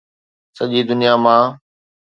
سڄي دنيا مان